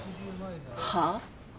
はあ？